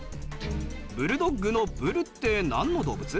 ブルドッグのブルってなんの動物？